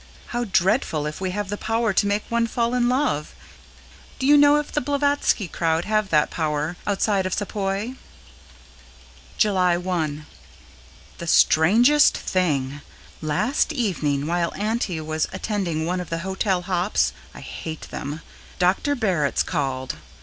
How dreadful if we have the power to make one fall in love! Do you know if the Blavatsky crowd have that power outside of Sepoy? July 1 The strangest thing! Last evening while Auntie was attending one of the hotel hops (I hate them) Dr. Barritz called.